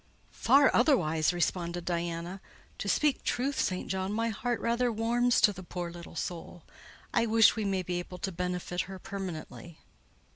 "Far otherwise," responded Diana. "To speak truth, St. John, my heart rather warms to the poor little soul. I wish we may be able to benefit her permanently."